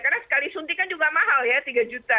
karena sekali suntikan juga mahal ya tiga juta